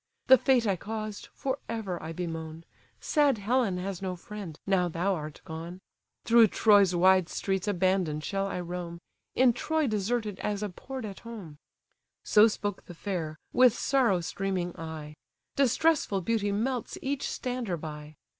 The fate I caused, for ever I bemoan; Sad Helen has no friend, now thou art gone! Through Troy's wide streets abandon'd shall I roam! In Troy deserted, as abhorr'd at home!" So spoke the fair, with sorrow streaming eye. Distressful beauty melts each stander by.